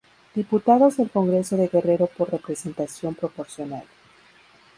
Diputados del Congreso de Guerrero por representación proporcional.